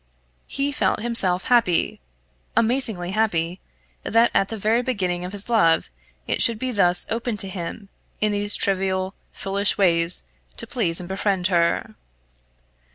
He felt himself happy, amazingly happy, that at the very beginning of his love, it should thus be open to him, in these trivial, foolish ways, to please and befriend her.